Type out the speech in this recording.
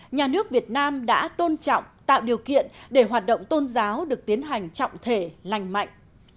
nhà nước việt nam đã tôn trọng tạo điều kiện để hoạt động tôn giáo được tiến hành trọng thể lành mạnh